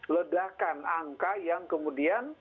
ledakan angka yang kemudian